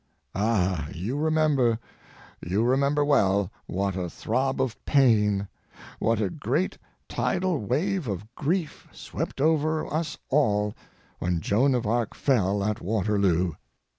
Ah! you remember, you remember well, what a throb of pain, what a great tidal wave of grief swept over us all when Joan of Arc fell at Waterloo.